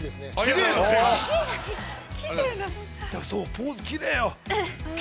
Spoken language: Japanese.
◆ポーズがきれいよ。